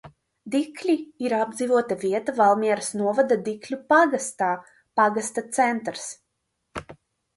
Dikļi ir apdzīvota vieta Valmieras novada Dikļu pagastā, pagasta centrs.